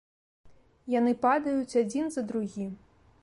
Яны падаюць адзін за другім.